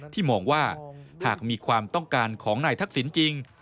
มองว่าหากมีความต้องการของนายทักษิณจริง